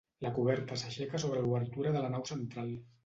La coberta s'aixeca sobre l'obertura de la nau central.